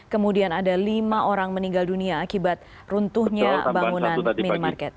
kemudian ada lima orang meninggal dunia akibat runtuhnya bangunan minimarket